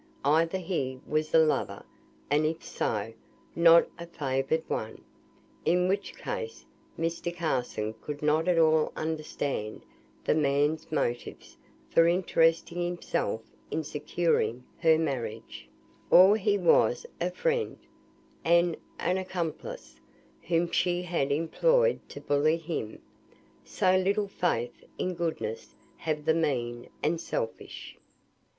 Either he was a lover, and if so, not a favoured one (in which case Mr. Carson could not at all understand the man's motives for interesting himself in securing her marriage); or he was a friend, an accomplice, whom she had employed to bully him. So little faith in goodness have the mean and selfish!